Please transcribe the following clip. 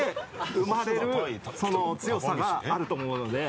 生まれる強さがあると思うので。